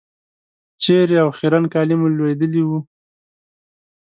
چېرې او خیرن کالي مو لوېدلي وو.